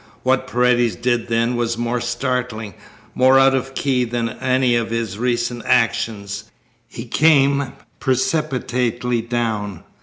What Paredes did then was more startling, more out of key than any of his recent actions. He came precipitately down.